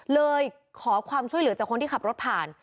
เลยขอความช่วยเหลือจากคนที่ขับรถผ่าน